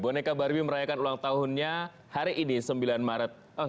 boneka barbi merayakan ulang tahunnya hari ini sembilan maret